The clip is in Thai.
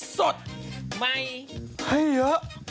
สวัสดีครับ